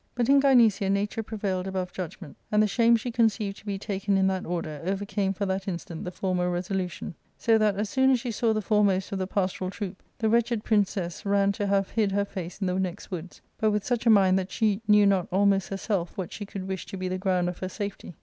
But in Gynecia nature prevailed above judgment, and the shame she conceived to be taken in that order* overcame for that instant the former resolution ; so that, as soon as she saw the foremost of the pastoral ti oop, the wretched princess ran to have hid her face in the next woods, but with such a mind that she knew not almost herself what she could wish to be the ground of her safety.